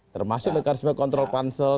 termasuk mekanisme kontrol pansel